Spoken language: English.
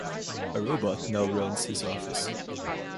A robot now runs his office.